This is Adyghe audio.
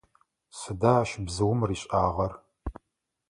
Сыда ащ бзыум ришӏагъэр?